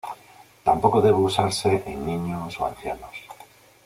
Tampoco debe usarse en niños o ancianos.